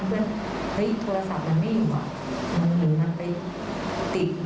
แต่ว่าหน้าต่อมานะเราก็อยากมีเวลาของตัวเองที่จะแบบ